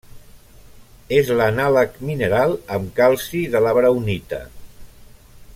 És l'anàleg mineral amb calci de la braunita.